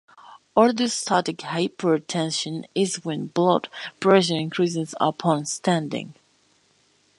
Orthostatic hypertension is when blood pressure increases upon standing.